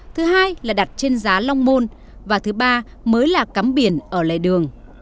thứ hai là đặt trên giá long môn và thứ ba mới là cắm biển ở lề đường